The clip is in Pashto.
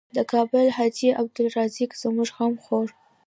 د کابل حاجي عبدالرزاق زموږ غم خوړ.